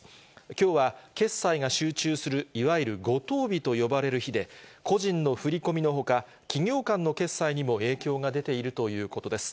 きょうは決済が集中する、いわゆる五十日と呼ばれる日で、個人の振り込みのほか、企業間の決済にも影響が出ているということです。